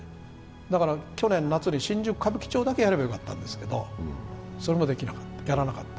だから去年夏に新宿・歌舞伎町だけやればよかったんですけどそれもやらなかった。